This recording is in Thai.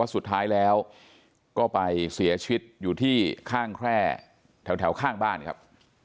สุดท้ายแล้วก็ไปเสียชีวิตอยู่ที่ข้างแคร่แถวข้างบ้านครับ